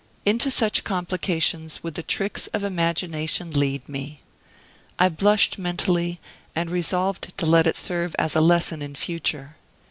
Into such complications, would the tricks of imagination lead me! I blushed mentally, and resolved to let it serve as a lesson in future.